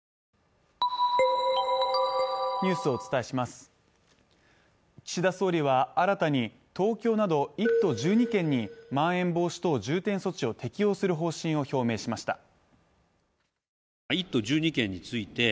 これこのあと岸田総理は、新たに東京など１都１２県にまん延防止等重点措置を適用する方針を表明しました。